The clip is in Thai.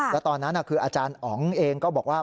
แล้วตอนนั้นคืออาจารย์อ๋องเองก็บอกว่า